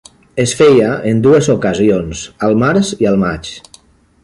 Es feia en dues ocasions, al març i al maig.